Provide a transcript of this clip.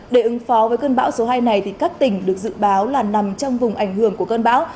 để ứng phó với cơn bão số hai này các tỉnh được dự báo là nằm trong vùng ảnh hưởng của cơn bão